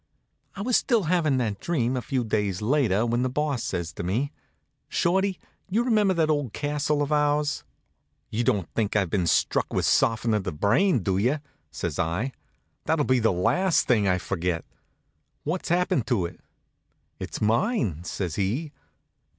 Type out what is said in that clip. I was still havin' that dream, a few days later, when the Boss says to me: "Shorty, you remember that old castle of ours?" "You don't think I've been struck with softenin' of the brain, do you?" says I. "That'll be the last thing I'll forget. What's happened to it?" "It's mine," says he.